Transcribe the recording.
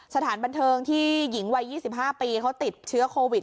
สถานบันเทิงที่หญิงวัย๒๕ปีเขาติดเชื้อโควิด